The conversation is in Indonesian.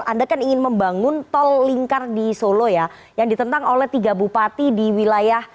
anda kan ingin membangun tol lingkar di solo ya yang ditentang oleh tiga bupati di wilayah